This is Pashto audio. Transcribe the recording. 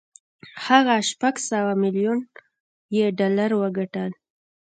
هغه شپږ سوه ميليون يې ډالر وګټل.